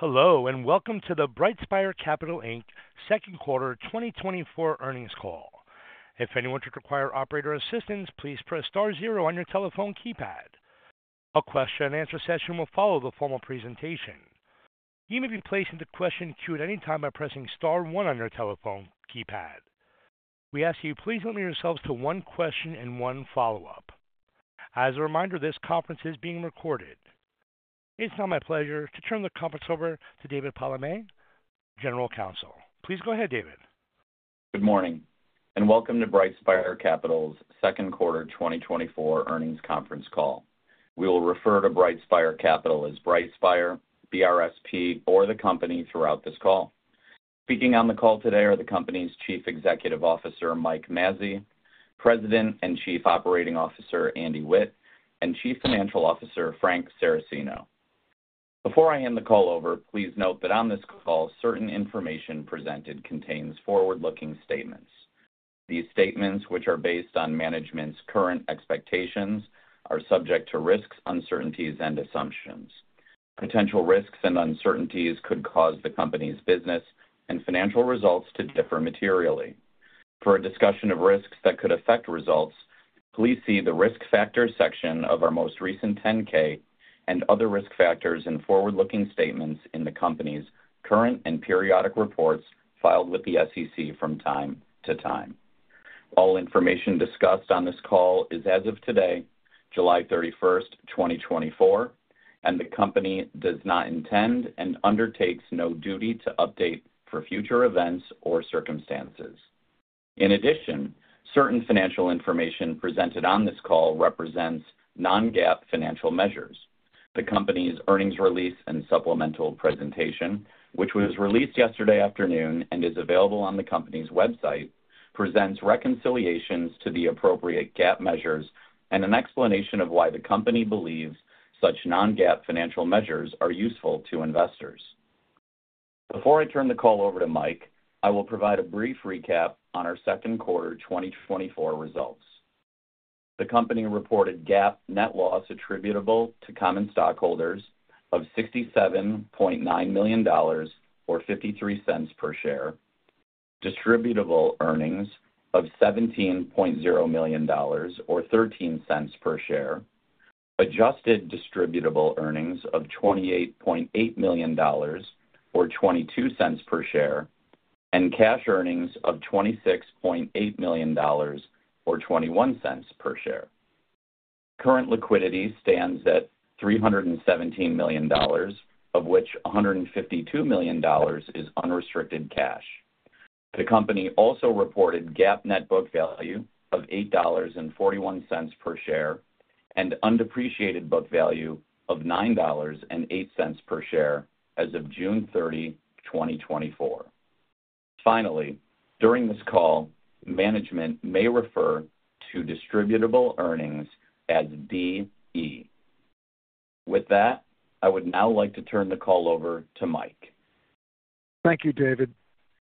Hello, and welcome to the BrightSpire Capital Inc. Second Quarter 2024 Earnings Call. If anyone should require operator assistance, please press *0 zero on your telephone keypad. A question-and-answer session will follow the formal presentation. You may be placed into question queue at any time by pressing *1 on your telephone keypad. We ask that you please limit yourselves to one question and one follow-up. As a reminder, this conference is being recorded. It's now my pleasure to turn the conference over to David Palamé, General Counsel. Please go ahead, David. Good morning, and welcome to BrightSpire Capital's Second Quarter 2024 Earnings Conference Call. We will refer to BrightSpire Capital as BrightSpire, BRSP, or the company throughout this call. Speaking on the call today are the company's Chief Executive Officer, Mike Mazzei; President and Chief Operating Officer, Andy Witt; and Chief Financial Officer, Frank Saracino. Before I hand the call over, please note that on this call, certain information presented contains forward-looking statements. These statements, which are based on management's current expectations, are subject to risks, uncertainties, and assumptions. Potential risks and uncertainties could cause the company's business and financial results to differ materially. For a discussion of risks that could affect results, please see the risk factor section of our most recent 10-K and other risk factors and forward-looking statements in the company's current and periodic reports filed with the SEC from time to time. All information discussed on this call is as of today, July 31st, 2024, and the company does not intend and undertakes no duty to update for future events or circumstances. In addition, certain financial information presented on this call represents non-GAAP financial measures. The company's earnings release and supplemental presentation, which was released yesterday afternoon and is available on the company's website, presents reconciliations to the appropriate GAAP measures and an explanation of why the company believes such non-GAAP financial measures are useful to investors. Before I turn the call over to Mike, I will provide a brief recap on our second quarter 2024 results. The company reported GAAP net loss attributable to common stockholders of $67.9 million or $0.53 per share, distributable earnings of $17.0 million or $0.13 per share, adjusted distributable earnings of $28.8 million or $0.22 per share, and cash earnings of $26.8 million or $0.21 per share. Current liquidity stands at $317 million, of which $152 million is unrestricted cash. The company also reported GAAP net book value of $8.41 per share and undepreciated book value of $9.08 per share as of June 30, 2024. Finally, during this call, management may refer to distributable earnings as DE. With that, I would now like to turn the call over to Mike. Thank you, David.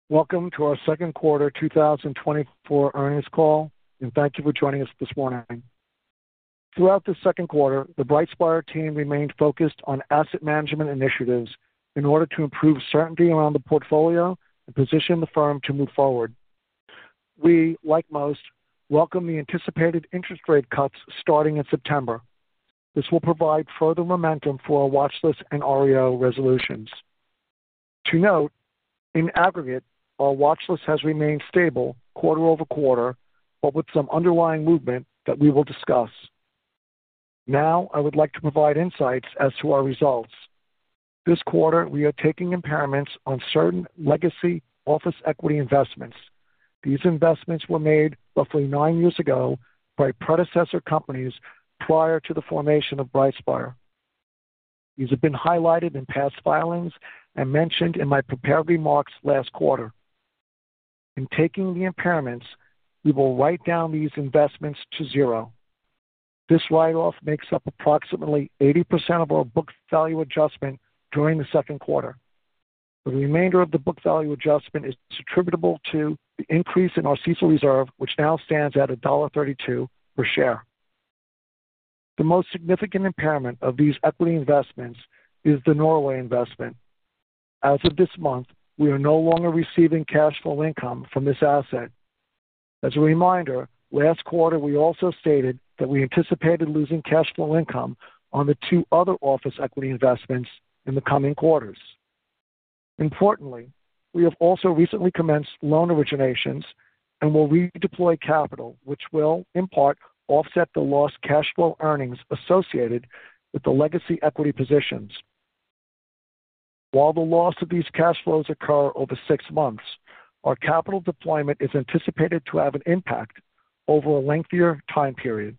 Welcome to our Second Quarter 2024 Earnings Call, and thank you for joining us this morning. Throughout the second quarter, the BrightSpire team remained focused on asset management initiatives in order to improve certainty around the portfolio and position the firm to move forward. We, like most, welcome the anticipated interest rate cuts starting in September. This will provide further momentum for our watchlist and REO resolutions. To note, in aggregate, our watchlist has remained stable quarter over quarter, but with some underlying movement that we will discuss. Now, I would like to provide insights as to our results. This quarter, we are taking impairments on certain legacy office equity investments. These investments were made roughly nine years ago by predecessor companies prior to the formation of BrightSpire. These have been highlighted in past filings and mentioned in my prepared remarks last quarter. In taking the impairments, we will write down these investments to zero. This write-off makes up approximately 80% of our book value adjustment during the second quarter. The remainder of the book value adjustment is attributable to the increase in our CECL reserve, which now stands at $1.32 per share. The most significant impairment of these equity investments is the Norway investment. As of this month, we are no longer receiving cash flow income from this asset. As a reminder, last quarter, we also stated that we anticipated losing cash flow income on the two other office equity investments in the coming quarters. Importantly, we have also recently commenced loan originations and will redeploy capital, which will, in part, offset the lost cash flow earnings associated with the legacy equity positions. While the loss of these cash flows occurs over six months, our capital deployment is anticipated to have an impact over a lengthier time period.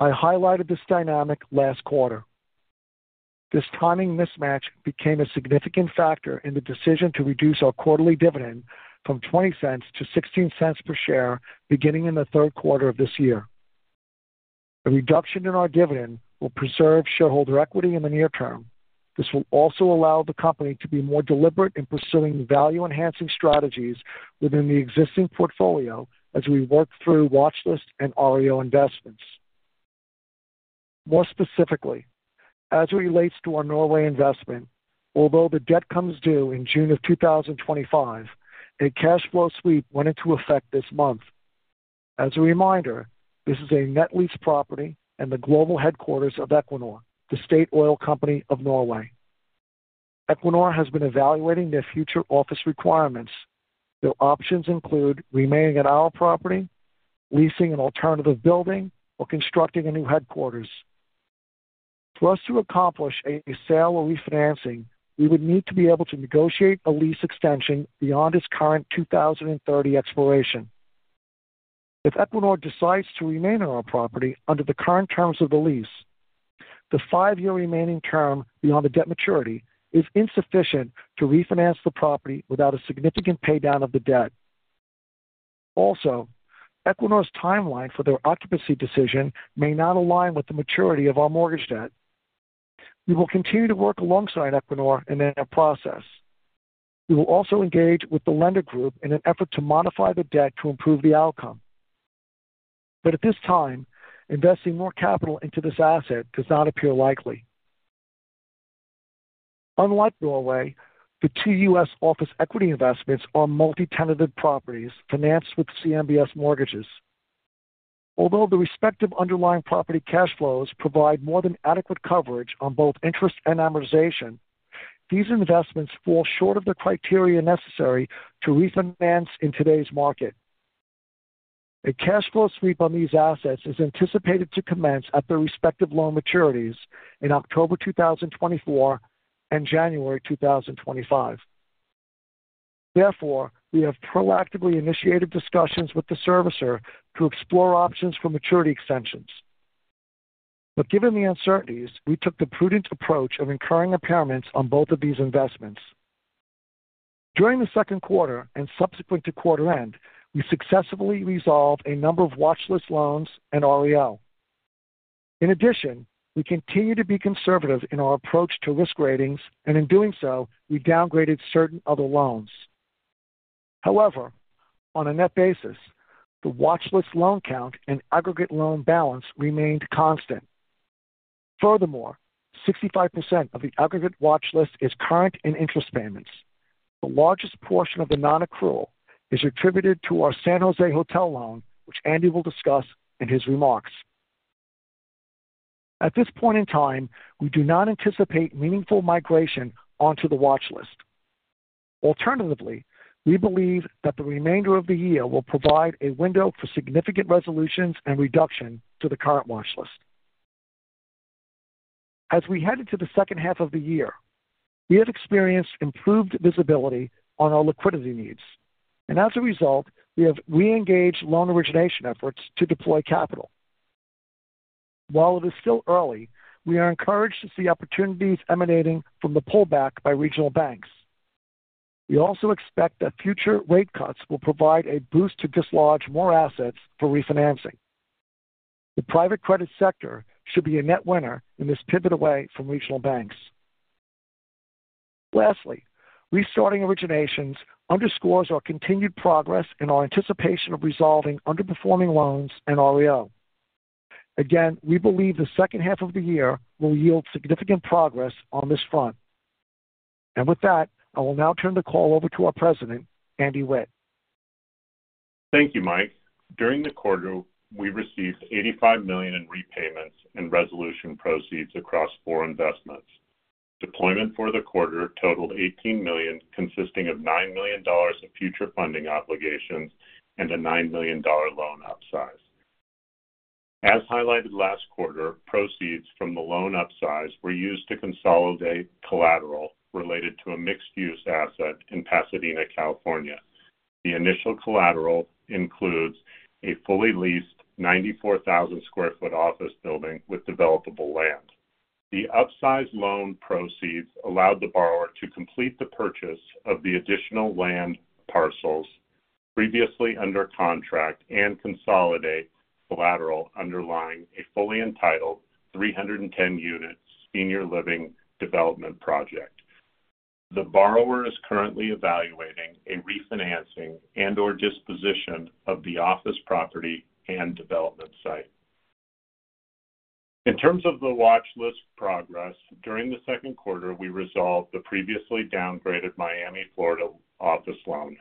I highlighted this dynamic last quarter. This timing mismatch became a significant factor in the decision to reduce our quarterly dividend from $0.20 to $0.16 per share beginning in the third quarter of this year. A reduction in our dividend will preserve shareholder equity in the near term. This will also allow the company to be more deliberate in pursuing value-enhancing strategies within the existing portfolio as we work through watchlist and REO investments. More specifically, as it relates to our Norway investment, although the debt comes due in June of 2025, a cash flow sweep went into effect this month. As a reminder, this is a net lease property in the global headquarters of Equinor, the state oil company of Norway. Equinor has been evaluating their future office requirements. Their options include remaining at our property, leasing an alternative building, or constructing a new headquarters. For us to accomplish a sale or refinancing, we would need to be able to negotiate a lease extension beyond its current 2030 expiration. If Equinor decides to remain on our property under the current terms of the lease, the five-year remaining term beyond the debt maturity is insufficient to refinance the property without a significant paydown of the debt. Also, Equinor's timeline for their occupancy decision may not align with the maturity of our mortgage debt. We will continue to work alongside Equinor in their process. We will also engage with the lender group in an effort to modify the debt to improve the outcome. But at this time, investing more capital into this asset does not appear likely. Unlike Norway, the two U.S. Office equity investments are multi-tenanted properties financed with CMBS mortgages. Although the respective underlying property cash flows provide more than adequate coverage on both interest and amortization, these investments fall short of the criteria necessary to refinance in today's market. A cash flow sweep on these assets is anticipated to commence at their respective loan maturities in October 2024 and January 2025. Therefore, we have proactively initiated discussions with the servicer to explore options for maturity extensions. But given the uncertainties, we took the prudent approach of incurring impairments on both of these investments. During the second quarter and subsequent to quarter end, we successfully resolved a number of watchlist loans and REO. In addition, we continue to be conservative in our approach to risk ratings, and in doing so, we downgraded certain other loans. However, on a net basis, the watchlist loan count and aggregate loan balance remained constant. Furthermore, 65% of the aggregate watchlist is current and interest payments. The largest portion of the non-accrual is attributed to our San Jose hotel loan, which Andy will discuss in his remarks. At this point in time, we do not anticipate meaningful migration onto the watchlist. Alternatively, we believe that the remainder of the year will provide a window for significant resolutions and reduction to the current watchlist. As we head into the second half of the year, we have experienced improved visibility on our liquidity needs, and as a result, we have re-engaged loan origination efforts to deploy capital. While it is still early, we are encouraged to see opportunities emanating from the pullback by regional banks. We also expect that future rate cuts will provide a boost to dislodge more assets for refinancing. The private credit sector should be a net winner in this pivot away from regional banks. Lastly, restarting originations underscores our continued progress in our anticipation of resolving underperforming loans and REO. Again, we believe the second half of the year will yield significant progress on this front. And with that, I will now turn the call over to our President, Andy Witt. Thank you, Mike. During the quarter, we received $85 million in repayments and resolution proceeds across four investments. Deployment for the quarter totaled $18 million, consisting of $9 million of future funding obligations and a $9 million loan upsize. As highlighted last quarter, proceeds from the loan upsize were used to consolidate collateral related to a mixed-use asset in Pasadena, California. The initial collateral includes a fully leased 94,000 sq ft office building with developable land. The upsize loan proceeds allowed the borrower to complete the purchase of the additional land parcels previously under contract and consolidate collateral underlying a fully entitled 310-unit senior living development project. The borrower is currently evaluating a refinancing and/or disposition of the office property and development site. In terms of the watchlist progress, during the second quarter, we resolved the previously downgraded Miami, Florida office loan.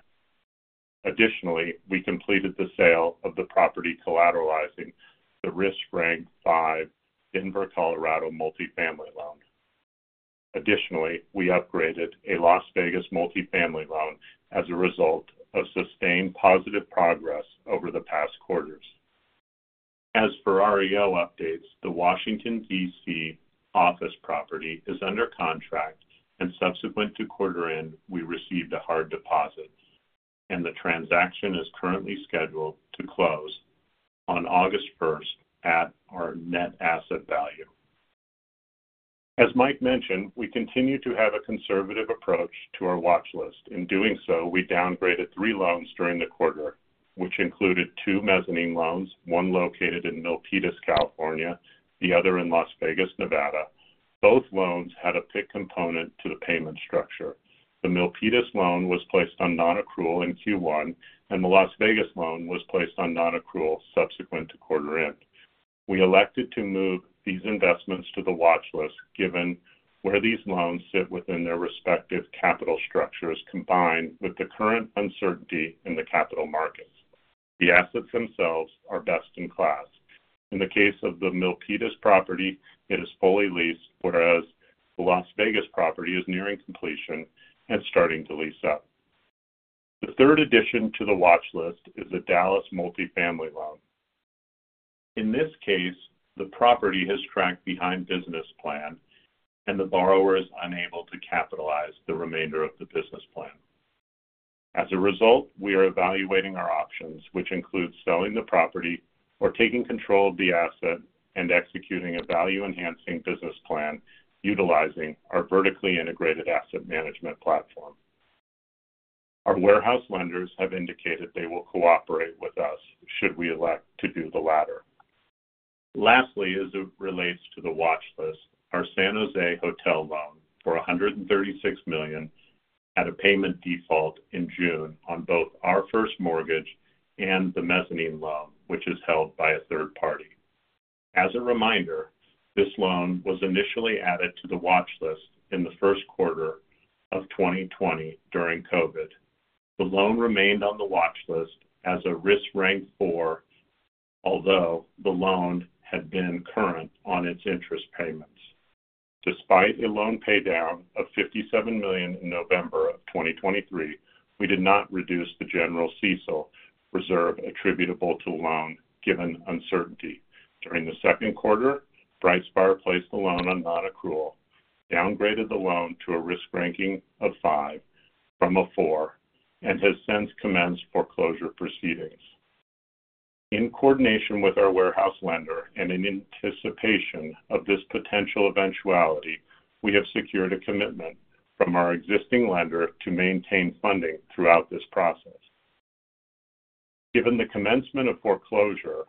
Additionally, we completed the sale of the property collateralizing the risk-ranked 5 Denver, Colorado multifamily loan. Additionally, we upgraded a Las Vegas multifamily loan as a result of sustained positive progress over the past quarters. As for REO updates, the Washington, D.C. office property is under contract, and subsequent to quarter end, we received a hard deposit, and the transaction is currently scheduled to close on August 1st at our net asset value. As Mike mentioned, we continue to have a conservative approach to our watchlist. In doing so, we downgraded 3 loans during the quarter, which included 2 mezzanine loans, one located in Milpitas, California, the other in Las Vegas, Nevada. Both loans had a PIK component to the payment structure. The Milpitas loan was placed on non-accrual in Q1, and the Las Vegas loan was placed on non-accrual subsequent to quarter end. We elected to move these investments to the watchlist given where these loans sit within their respective capital structures combined with the current uncertainty in the capital markets. The assets themselves are best in class. In the case of the Milpitas property, it is fully leased, whereas the Las Vegas property is nearing completion and starting to lease up. The third addition to the watchlist is the Dallas multifamily loan. In this case, the property has tracked behind business plan, and the borrower is unable to capitalize the remainder of the business plan. As a result, we are evaluating our options, which include selling the property or taking control of the asset and executing a value-enhancing business plan utilizing our vertically integrated asset management platform. Our warehouse lenders have indicated they will cooperate with us should we elect to do the latter. Lastly, as it relates to the watchlist, our San Jose hotel loan for $136 million had a payment default in June on both our first mortgage and the mezzanine loan, which is held by a third party. As a reminder, this loan was initially added to the watchlist in the first quarter of 2020 during COVID. The loan remained on the watchlist as a risk-ranked four, although the loan had been current on its interest payments. Despite a loan paydown of $57 million in November of 2023, we did not reduce the general CECL reserve attributable to the loan given uncertainty. During the second quarter, BrightSpire placed the loan on non-accrual, downgraded the loan to a risk-ranking of five from a four, and has since commenced foreclosure proceedings. In coordination with our warehouse lender and in anticipation of this potential eventuality, we have secured a commitment from our existing lender to maintain funding throughout this process. Given the commencement of foreclosure,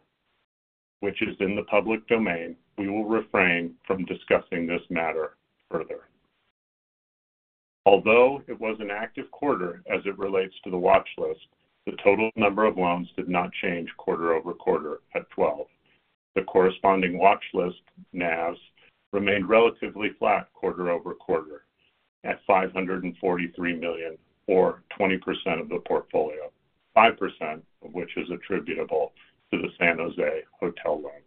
which is in the public domain, we will refrain from discussing this matter further. Although it was an active quarter as it relates to the watchlist, the total number of loans did not change quarter-over-quarter at 12. The corresponding watchlist NAVs remained relatively flat quarter-over-quarter at $543 million, or 20% of the portfolio, 5% of which is attributable to the San Jose hotel loan.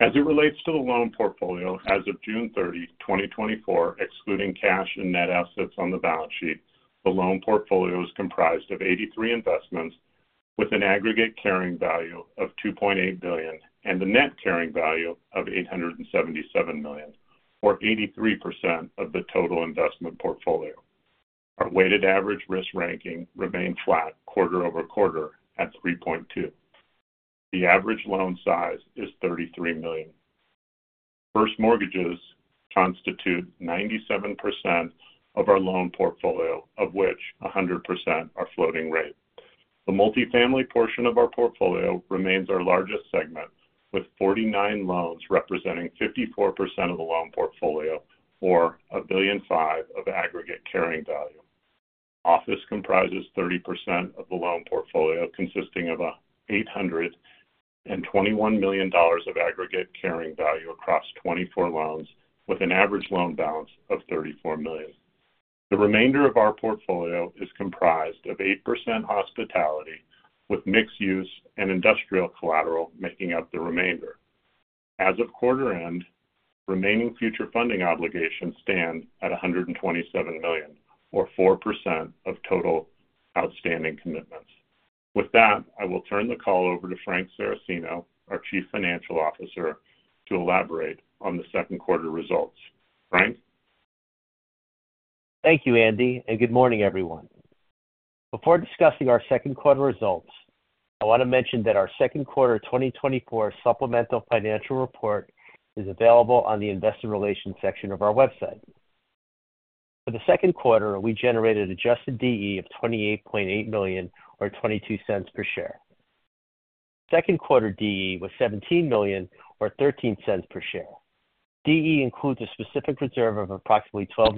As it relates to the loan portfolio, as of June 30, 2024, excluding cash and net assets on the balance sheet, the loan portfolio is comprised of 83 investments with an aggregate carrying value of $2.8 billion and a net carrying value of $877 million, or 83% of the total investment portfolio. Our weighted average risk ranking remained flat quarter-over-quarter at 3.2. The average loan size is $33 million. First mortgages constitute 97% of our loan portfolio, of which 100% are floating rate. The multifamily portion of our portfolio remains our largest segment, with 49 loans representing 54% of the loan portfolio, or $1.5 billion of aggregate carrying value. Office comprises 30% of the loan portfolio, consisting of $821 million of aggregate carrying value across 24 loans, with an average loan balance of $34 million. The remainder of our portfolio is comprised of 8% hospitality, with mixed-use and industrial collateral making up the remainder. As of quarter end, remaining future funding obligations stand at $127 million, or 4% of total outstanding commitments. With that, I will turn the call over to Frank Saracino, our Chief Financial Officer, to elaborate on the second quarter results. Frank? Thank you, Andy, and good morning, everyone. Before discussing our second quarter results, I want to mention that our second quarter 2024 supplemental financial report is available on the Investor Relations section of our website. For the second quarter, we generated adjusted DE of $28.8 million, or $0.22 per share. Second quarter DE was $17 million, or $0.13 per share. DE includes a specific reserve of approximately $12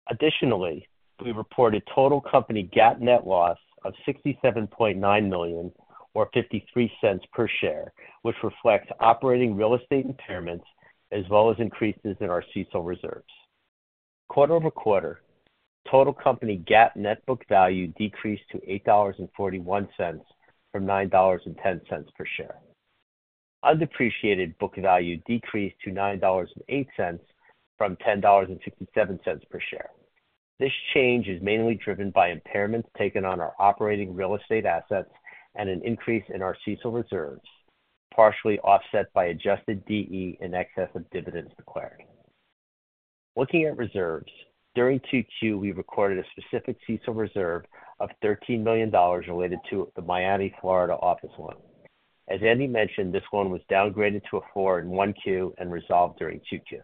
million. Additionally, we reported total company GAAP net loss of $67.9 million, or $0.53 per share, which reflects operating real estate impairments as well as increases in our CECL reserves. Quarter-over-quarter, total company GAAP net book value decreased to $8.41 from $9.10 per share. Undepreciated book value decreased to $9.08 from $10.67 per share. This change is mainly driven by impairments taken on our operating real estate assets and an increase in our CECL reserves, partially offset by adjusted DE in excess of dividends declared. Looking at reserves, during Q2, we recorded a specific CECL reserve of $13 million related to the Miami, Florida office loan. As Andy mentioned, this one was downgraded to a four in 1Q and resolved during Q2.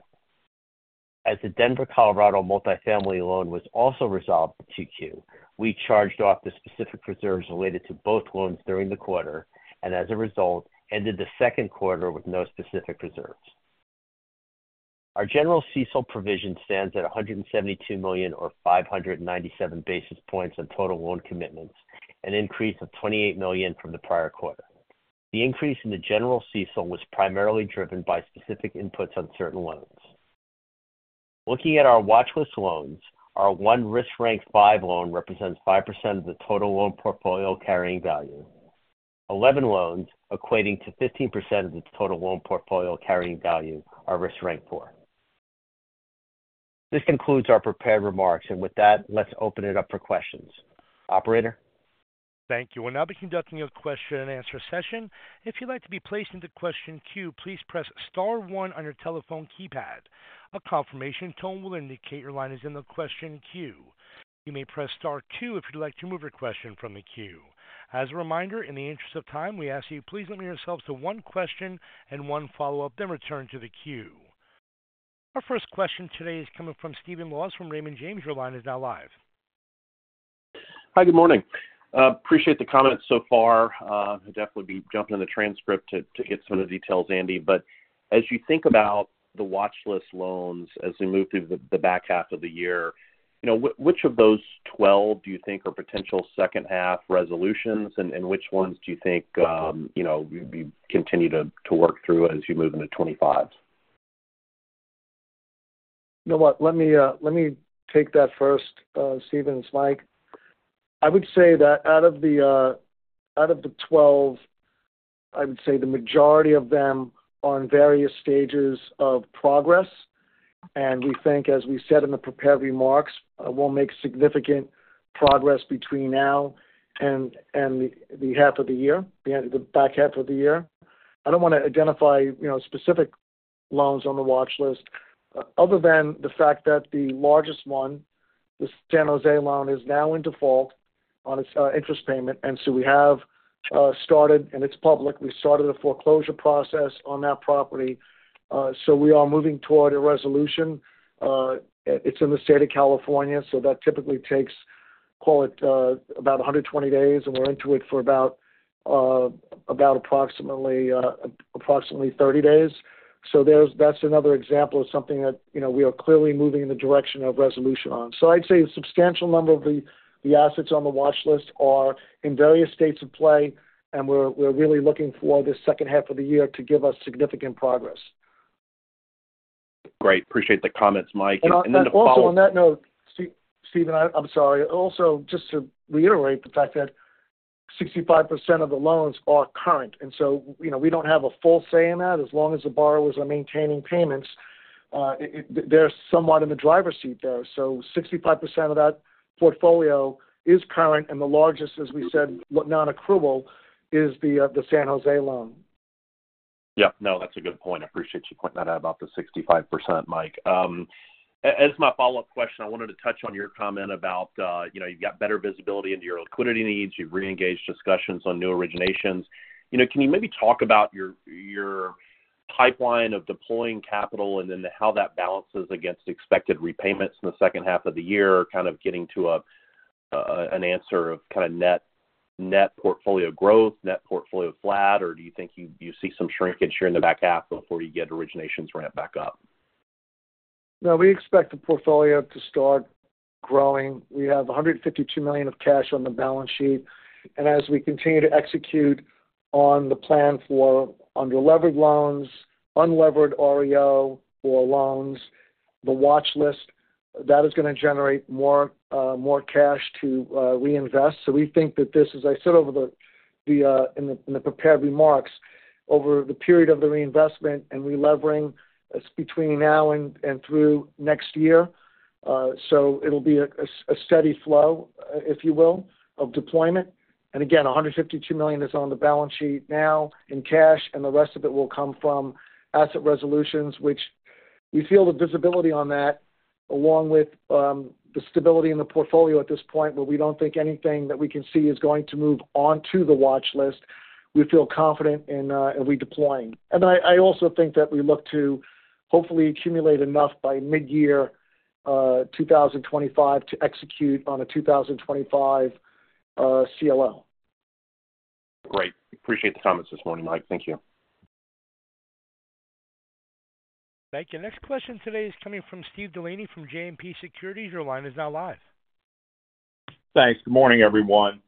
As the Denver, Colorado multifamily loan was also resolved in Q2, we charged off the specific reserves related to both loans during the quarter, and as a result, ended the second quarter with no specific reserves. Our general CECL provision stands at $172 million, or 597 basis points of total loan commitments, an increase of $28 million from the prior quarter. The increase in the general CECL was primarily driven by specific inputs on certain loans. Looking at our watchlist loans, our one risk-ranked five loan represents 5% of the total loan portfolio carrying value. 11 loans equating to 15% of the total loan portfolio carrying value are risk-ranked four. This concludes our prepared remarks, and with that, let's open it up for questions. Operator? Thank you. We'll now be conducting a question-and-answer session. If you'd like to be placed into question queue, please press *1 on your telephone keypad. A confirmation tone will indicate your line is in the question queue. You may press *2 if you'd like to move your question from the queue. As a reminder, in the interest of time, we ask that you please limit yourselves to one question and one follow-up, then return to the queue. Our first question today is coming from Stephen Laws from Raymond James. Your line is now live. Hi, good morning. Appreciate the comments so far. I'll definitely be jumping in the transcript to get some of the details, Andy. But as you think about the watchlist loans as we move through the back half of the year, which of those 12 do you think are potential second-half resolutions, and which ones do you think you'd continue to work through as you move into 2025? You know what? Let me take that first, Stephen. This is Mike. I would say that out of the 12, I would say the majority of them are in various stages of progress, and we think, as we said in the prepared remarks, we'll make significant progress between now and the half of the year, the back half of the year. I don't want to identify specific loans on the watchlist other than the fact that the largest one, the San Jose loan, is now in default on its interest payment. And so we have started, and it's public. We started a foreclosure process on that property, so we are moving toward a resolution. It's in the state of California, so that typically takes, call it, about 120 days, and we're into it for about approximately 30 days. So that's another example of something that we are clearly moving in the direction of resolution on. So I'd say a substantial number of the assets on the watchlist are in various states of play, and we're really looking for the second half of the year to give us significant progress. Great. Appreciate the comments, Mike. And also on that note, Stephen, I'm sorry. Also, just to reiterate the fact that 65% of the loans are current, and so we don't have a full say in that. As long as the borrowers are maintaining payments, they're somewhat in the driver's seat there. So 65% of that portfolio is current, and the largest, as we said, non-accrual is the San Jose loan. Yeah. No, that's a good point. I appreciate you pointing that out about the 65%, Mike. As my follow-up question, I wanted to touch on your comment about you've got better visibility into your liquidity needs. You've re-engaged discussions on new originations. Can you maybe talk about your pipeline of deploying capital and then how that balances against expected repayments in the second half of the year, kind of getting to an answer of kind of net portfolio growth, net portfolio flat, or do you think you see some shrinkage here in the back half before you get originations ramped back up? No, we expect the portfolio to start growing. We have $152 million of cash on the balance sheet, and as we continue to execute on the plan for underleveraged loans, unleveraged REO for loans, the watchlist, that is going to generate more cash to reinvest. So we think that this, as I said in the prepared remarks, over the period of the reinvestment and re-levering between now and through next year, so it'll be a steady flow, if you will, of deployment. And again, $152 million is on the balance sheet now in cash, and the rest of it will come from asset resolutions, which we feel the visibility on that, along with the stability in the portfolio at this point where we don't think anything that we can see is going to move onto the watchlist. We feel confident in redeploying. I also think that we look to hopefully accumulate enough by mid-year 2025 to execute on a 2025 CLO. Great. Appreciate the comments this morning, Mike. Thank you. Thank you. Next question today is coming from Steve Delaney from JMP Securities. Your line is now live. Thanks. Good morning, everyone.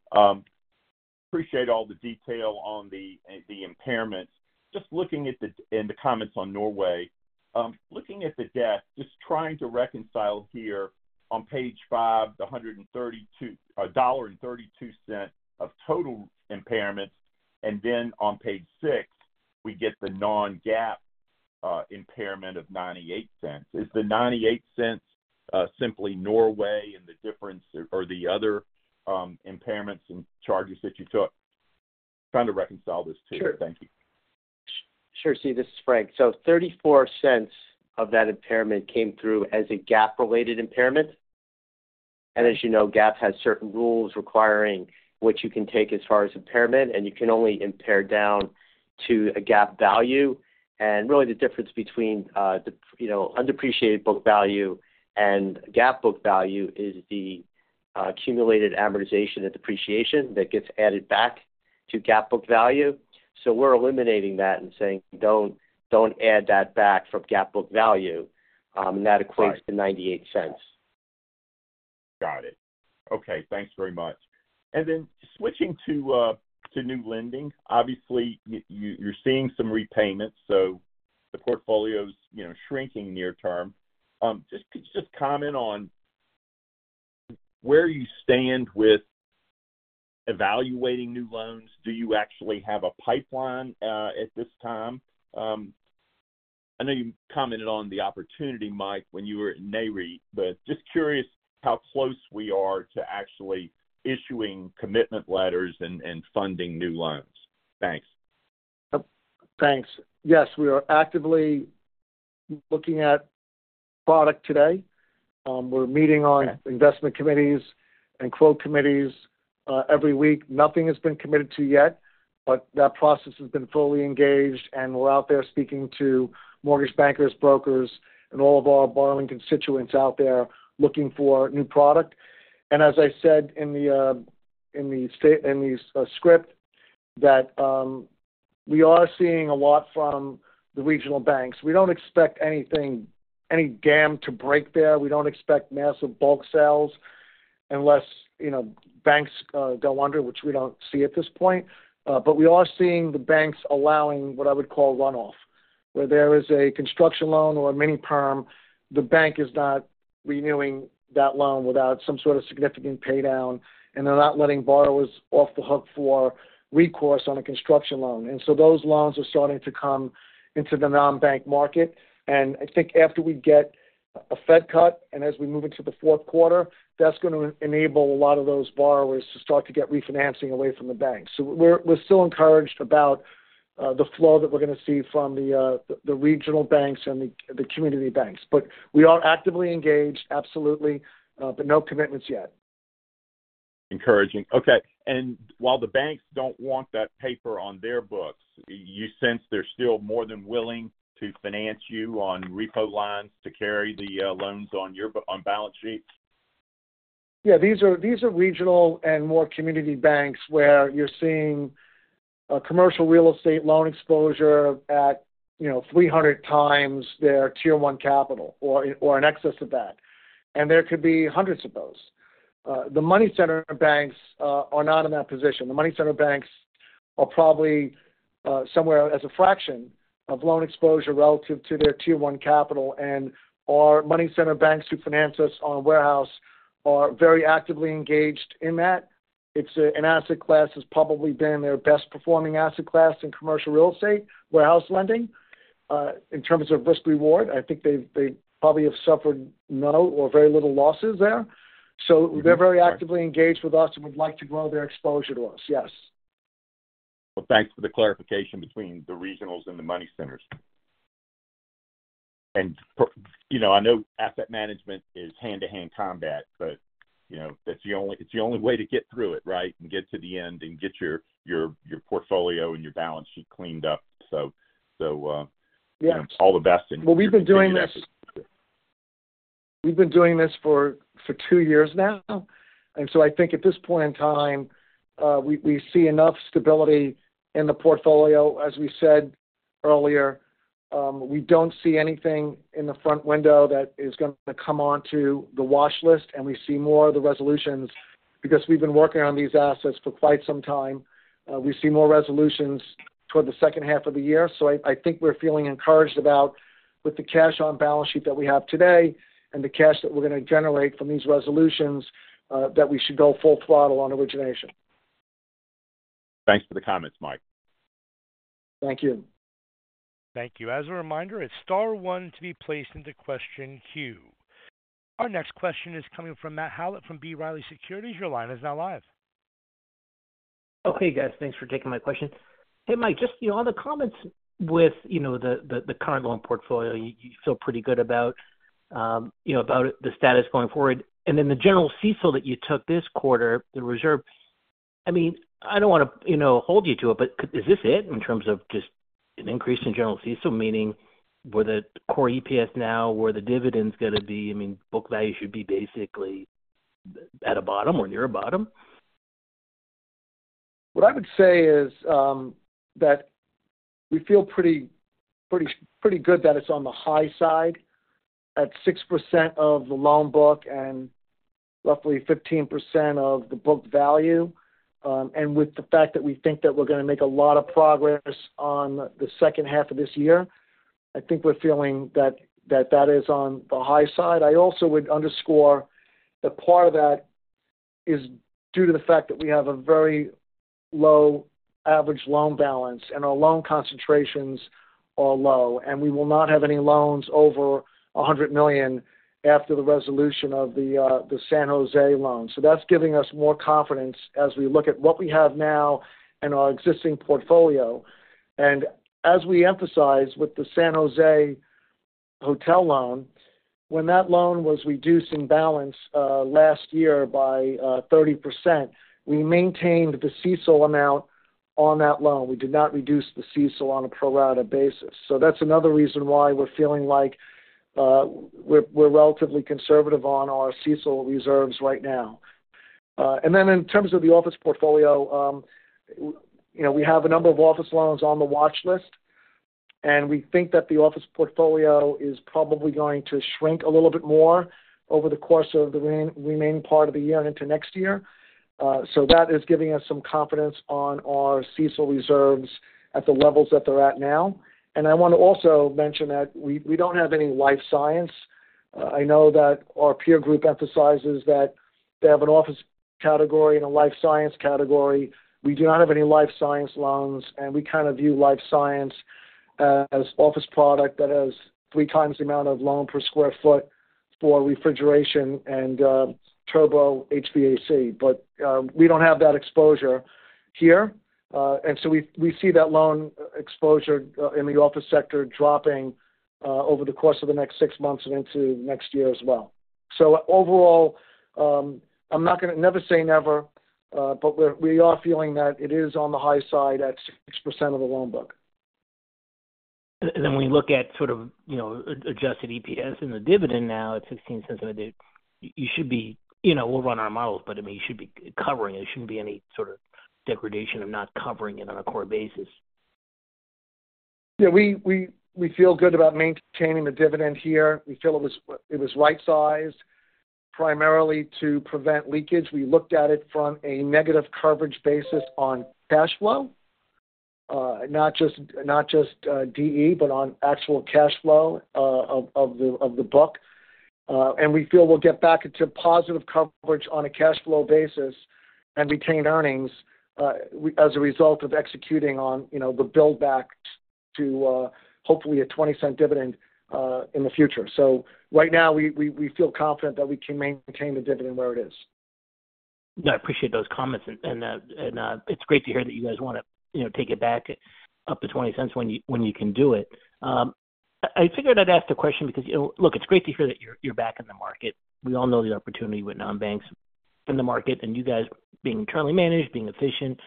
Appreciate all the detail on the impairments. Just looking at the comments on Norway, looking at the debt, just trying to reconcile here on page five, the $132 of total impairments, and then on page six, we get the non-GAAP impairment of $0.98. Is the $0.98 simply Norway and the difference or the other impairments and charges that you took? Trying to reconcile this too. Thank you. Sure. Sure. Steve, this is Frank. So $0.34 of that impairment came through as a GAAP-related impairment. And as you know, GAAP has certain rules requiring what you can take as far as impairment, and you can only impair down to a GAAP value. And really, the difference between undepreciated book value and GAAP book value is the accumulated amortization and depreciation that gets added back to GAAP book value. So we're eliminating that and saying, "Don't add that back from GAAP book value." And that equates to $0.98. Got it. Okay. Thanks very much. And then switching to new lending, obviously, you're seeing some repayments, so the portfolio's shrinking near term. Just comment on where you stand with evaluating new loans. Do you actually have a pipeline at this time? I know you commented on the opportunity, Mike, when you were at Nareit, but just curious how close we are to actually issuing commitment letters and funding new loans. Thanks. Thanks. Yes, we are actively looking at product today. We're meeting on investment committees and quote committees every week. Nothing has been committed to yet, but that process has been fully engaged, and we're out there speaking to mortgage bankers, brokers, and all of our borrowing constituents out there looking for new product. And as I said in the script, that we are seeing a lot from the regional banks. We don't expect anything, any dam to break there. We don't expect massive bulk sales unless banks go under, which we don't see at this point. But we are seeing the banks allowing what I would call runoff, where there is a construction loan or a mini perm, the bank is not renewing that loan without some sort of significant paydown, and they're not letting borrowers off the hook for recourse on a construction loan. And so those loans are starting to come into the non-bank market. And I think after we get a Fed cut and as we move into the fourth quarter, that's going to enable a lot of those borrowers to start to get refinancing away from the bank. So we're still encouraged about the flow that we're going to see from the regional banks and the community banks. But we are actively engaged, absolutely, but no commitments yet. Encouraging. Okay. And while the banks don't want that paper on their books, you sense they're still more than willing to finance you on repo lines to carry the loans on balance sheet? Yeah. These are regional and more community banks where you're seeing a commercial real estate loan exposure at 300x their Tier 1 capital or in excess of that. There could be hundreds of those. The money center banks are not in that position. The money center banks are probably somewhere as a fraction of loan exposure relative to their Tier 1 capital, and our money center banks who finance us on warehouse are very actively engaged in that. It's an asset class that's probably been their best-performing asset class in commercial real estate warehouse lending. In terms of risk-reward, I think they probably have suffered no or very little losses there. They're very actively engaged with us and would like to grow their exposure to us, yes. Well, thanks for the clarification between the regionals and the money centers. I know asset management is hand-to-hand combat, but it's the only way to get through it, right, and get to the end and get your portfolio and your balance sheet cleaned up. All the best. Yeah. Well, we've been doing this for two years now, and so I think at this point in time, we see enough stability in the portfolio, as we said earlier. We don't see anything in the front window that is going to come onto the watchlist, and we see more of the resolutions because we've been working on these assets for quite some time. We see more resolutions toward the second half of the year, so I think we're feeling encouraged about with the cash on balance sheet that we have today and the cash that we're going to generate from these resolutions that we should go full throttle on origination. Thanks for the comments, Mike. Thank you. Thank you. As a reminder, it's *1 to be placed into question queue. Our next question is coming from Matthew Howlett from B. Riley Securities. Your line is now live. Okay, guys. Thanks for taking my question. Hey, Mike, just on the comments with the current loan portfolio, you feel pretty good about the status going forward. And then the general CECL that you took this quarter, the reserve, I mean, I don't want to hold you to it, but is this it in terms of just an increase in general CECL, meaning where the core EPS now, where the dividend's going to be? I mean, book value should be basically at a bottom or near a bottom? What I would say is that we feel pretty good that it's on the high side at 6% of the loan book and roughly 15% of the book value. And with the fact that we think that we're going to make a lot of progress on the second half of this year, I think we're feeling that that is on the high side. I also would underscore that part of that is due to the fact that we have a very low average loan balance, and our loan concentrations are low, and we will not have any loans over $100 million after the resolution of the San Jose loan. So that's giving us more confidence as we look at what we have now and our existing portfolio. As we emphasized with the San Jose hotel loan, when that loan was reduced in balance last year by 30%, we maintained the CECL amount on that loan. We did not reduce the CECL on a pro rata basis. So that's another reason why we're feeling like we're relatively conservative on our CECL reserves right now. And then in terms of the office portfolio, we have a number of office loans on the watchlist, and we think that the office portfolio is probably going to shrink a little bit more over the course of the remaining part of the year and into next year. So that is giving us some confidence on our CECL reserves at the levels that they're at now. And I want to also mention that we don't have any life science. I know that our peer group emphasizes that they have an office category and a life science category. We do not have any life science loans, and we kind of view life science as office product that has three times the amount of loan per square foot for refrigeration and turbo HVAC. But we don't have that exposure here, and so we see that loan exposure in the office sector dropping over the course of the next six months and into next year as well. So overall, I'm not going to never say never, but we are feeling that it is on the high side at 6% of the loan book. And then when you look at sort of adjusted EPS and the dividend now at $0.16 of a dividend, you should be. We'll run our models, but I mean, you should be covering. There shouldn't be any sort of degradation of not covering it on a core basis. Yeah. We feel good about maintaining the dividend here. We feel it was right-sized primarily to prevent leakage. We looked at it from a negative coverage basis on cash flow, not just DE, but on actual cash flow of the book. And we feel we'll get back into positive coverage on a cash flow basis and retained earnings as a result of executing on the build-back to hopefully a $0.20 dividend in the future. So right now, we feel confident that we can maintain the dividend where it is. I appreciate those comments, and it's great to hear that you guys want to take it back up to $0.20 when you can do it. I figured I'd ask the question because, look, it's great to hear that you're back in the market. We all know the opportunity with non-banks in the market and you guys being internally managed, being efficient,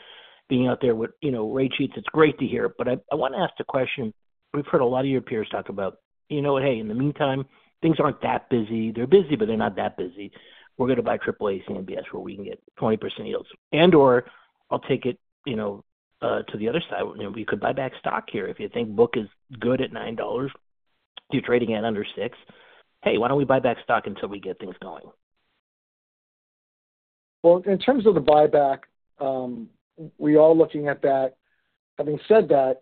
being out there with rate sheets. It's great to hear, but I want to ask the question. We've heard a lot of your peers talk about, "Hey, in the meantime, things aren't that busy. They're busy, but they're not that busy. We're going to buy AAA CMBS where we can get 20% yields." And/or I'll take it to the other side. We could buy back stock here if you think book is good at $9, you're trading at under $6. Hey, why don't we buy back stock until we get things going? Well, in terms of the buyback, we are looking at that. Having said that,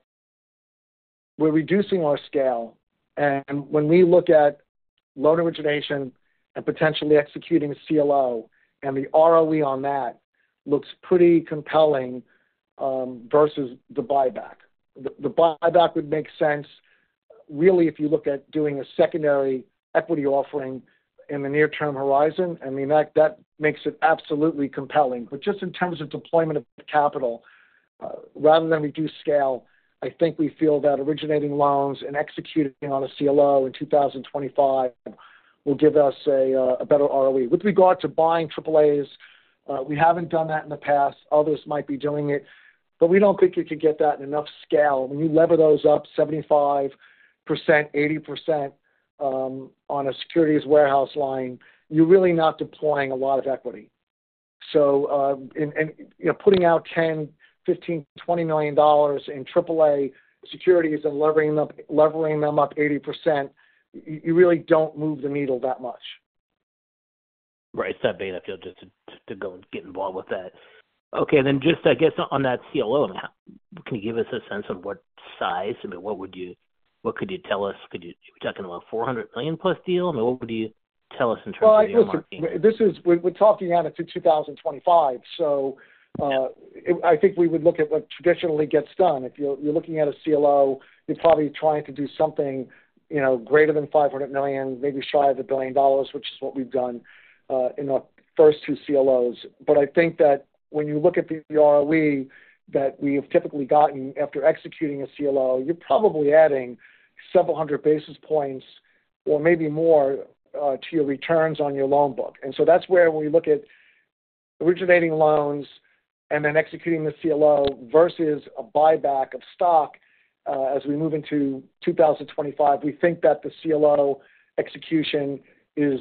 we're reducing our scale. And when we look at loan origination and potentially executing CLO, and the ROE on that looks pretty compelling versus the buyback. The buyback would make sense, really, if you look at doing a secondary equity offering in the near-term horizon. I mean, that makes it absolutely compelling. But just in terms of deployment of capital, rather than reduce scale, I think we feel that originating loans and executing on a CLO in 2025 will give us a better ROE. With regard to buying AAAs, we haven't done that in the past. Others might be doing it, but we don't think you could get that in enough scale. When you leverage those up 75%-80% on a securities warehouse line, you're really not deploying a lot of equity. Putting out $10 million, $15 million, $20 million in AAA securities and levering them up 80%, you really don't move the needle that much. Right. It's not bad to go and get involved with that. Okay. And then just, I guess, on that CLO, can you give us a sense of what size? I mean, what could you tell us? You're talking about a $400 million-plus deal. I mean, what would you tell us in terms of your marketing? Well, we're talking out into 2025, so I think we would look at what traditionally gets done. If you're looking at a CLO, you're probably trying to do something greater than $500 million, maybe shy of $1 billion, which is what we've done in our first two CLOs. But I think that when you look at the ROE that we have typically gotten after executing a CLO, you're probably adding several hundred basis points or maybe more to your returns on your loan book. And so that's where we look at originating loans and then executing the CLO versus a buyback of stock as we move into 2025. We think that the CLO execution is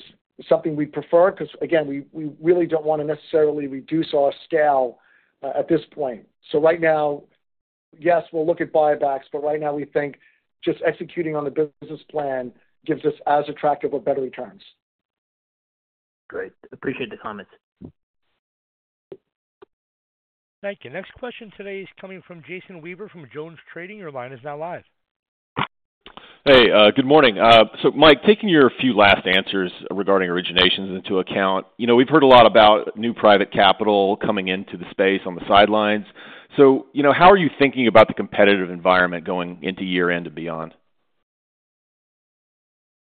something we'd prefer because, again, we really don't want to necessarily reduce our scale at this point. Right now, yes, we'll look at buybacks, but right now, we think just executing on the business plan gives us as attractive or better returns. Great. Appreciate the comments. Thank you. Next question today is coming from Jason Weaver from JonesTrading. Your line is now live. Hey, good morning. So Mike, taking your few last answers regarding originations into account, we've heard a lot about new private capital coming into the space on the sidelines. So how are you thinking about the competitive environment going into year-end and beyond?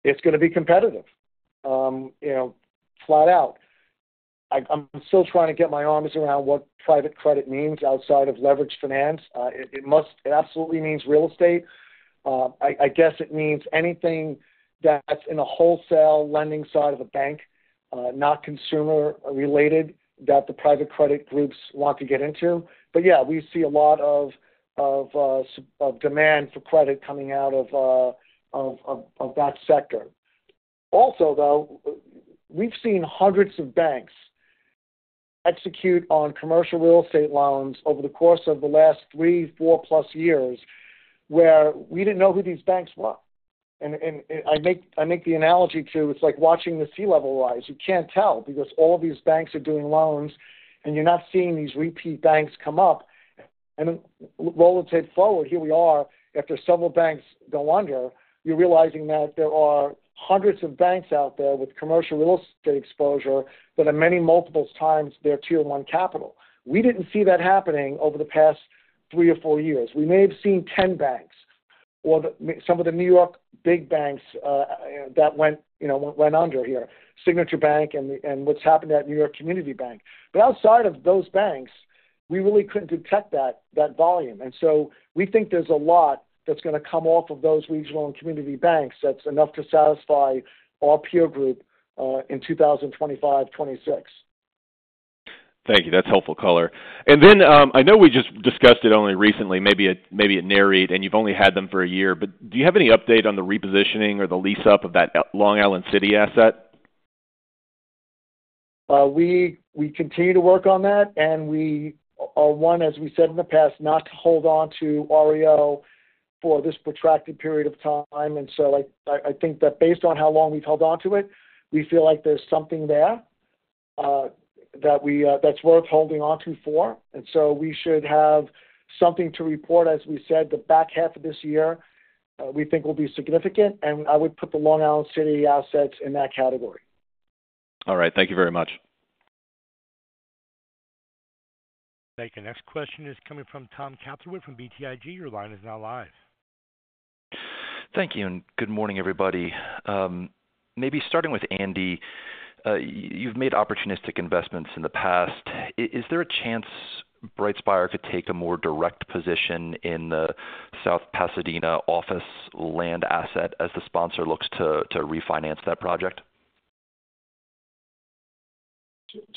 It's going to be competitive, flat out. I'm still trying to get my arms around what private credit means outside of leveraged finance. It absolutely means real estate. I guess it means anything that's in the wholesale lending side of the bank, not consumer-related, that the private credit groups want to get into. But yeah, we see a lot of demand for credit coming out of that sector. Also, though, we've seen hundreds of banks execute on commercial real estate loans over the course of the last 3-4+ years where we didn't know who these banks were. And I make the analogy to it's like watching the sea level rise. You can't tell because all of these banks are doing loans, and you're not seeing these repeat banks come up. And roll the tape forward. Here we are. After several banks go under, you're realizing that there are hundreds of banks out there with commercial real estate exposure that are many multiples times their Tier 1 capital. We didn't see that happening over the past three or four years. We may have seen 10 banks or some of the New York big banks that went under here, Signature Bank and what's happened at New York Community Bank. But outside of those banks, we really couldn't detect that volume. And so we think there's a lot that's going to come off of those regional and community banks that's enough to satisfy our peer group in 2025, 2026. Thank you. That's helpful color. And then I know we just discussed it only recently, maybe at Nareit, and you've only had them for a year, but do you have any update on the repositioning or the lease-up of that Long Island City asset? We continue to work on that, and we are one, as we said in the past, not to hold on to REO for this protracted period of time. So I think that based on how long we've held on to it, we feel like there's something there that's worth holding on to for. So we should have something to report, as we said. The back half of this year, we think, will be significant, and I would put the Long Island City assets in that category. All right. Thank you very much. Thank you. Next question is coming from Tom Catherwood from BTIG. Your line is now live. Thank you. Good morning, everybody. Maybe starting with Andy, you've made opportunistic investments in the past. Is there a chance BrightSpire could take a more direct position in the South Pasadena office land asset as the sponsor looks to refinance that project?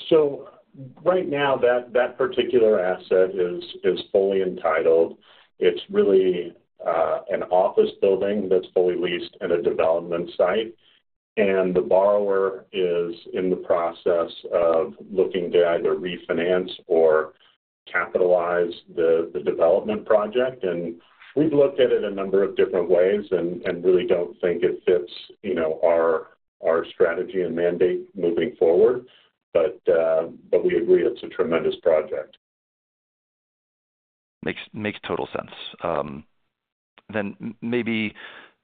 So right now, that particular asset is fully entitled. It's really an office building that's fully leased and a development site. And the borrower is in the process of looking to either refinance or capitalize the development project. And we've looked at it a number of different ways and really don't think it fits our strategy and mandate moving forward, but we agree it's a tremendous project. Makes total sense. Then maybe,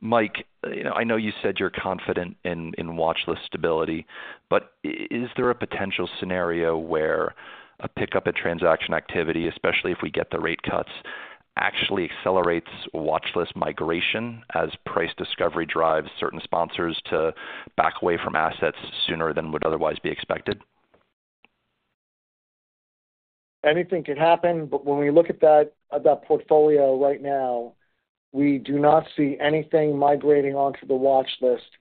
Mike, I know you said you're confident in watchlist stability, but is there a potential scenario where a pickup at transaction activity, especially if we get the rate cuts, actually accelerates watchlist migration as price discovery drives certain sponsors to back away from assets sooner than would otherwise be expected? Anything could happen, but when we look at that portfolio right now, we do not see anything migrating onto the watchlist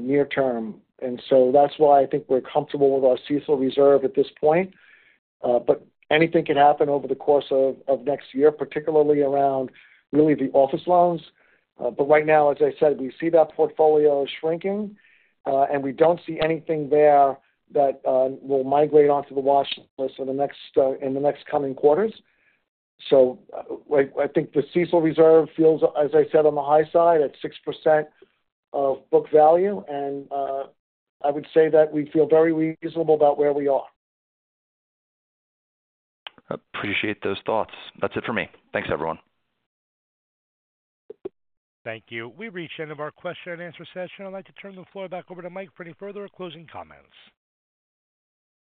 near-term. And so that's why I think we're comfortable with our CECL reserve at this point. But anything could happen over the course of next year, particularly around really the office loans. But right now, as I said, we see that portfolio shrinking, and we don't see anything there that will migrate onto the watchlist in the next coming quarters. So I think the CECL reserve feels, as I said, on the high side at 6% of book value, and I would say that we feel very reasonable about where we are. Appreciate those thoughts. That's it for me. Thanks, everyone. Thank you. We've reached the end of our question and answer session. I'd like to turn the floor back over to Mike for any further closing comments.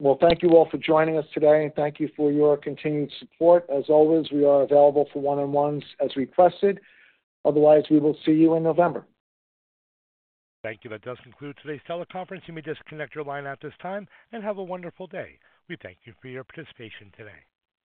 Well, thank you all for joining us today, and thank you for your continued support. As always, we are available for one-on-ones as requested. Otherwise, we will see you in November. Thank you. That does conclude today's teleconference. You may disconnect your line at this time and have a wonderful day. We thank you for your participation today.